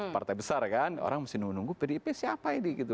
partai besar kan orang masih menunggu pdip siapa ini gitu